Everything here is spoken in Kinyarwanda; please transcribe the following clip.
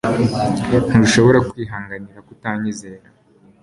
Ntushobora kwihanganira kutanyizera